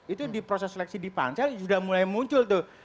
itu di proses seleksi di pansel sudah mulai muncul tuh